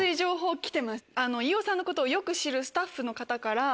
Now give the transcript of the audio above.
飯尾さんのことをよく知るスタッフの方から。